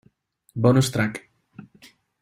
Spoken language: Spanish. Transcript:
Bonus track